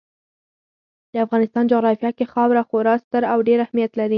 د افغانستان جغرافیه کې خاوره خورا ستر او ډېر اهمیت لري.